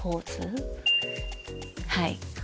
はい。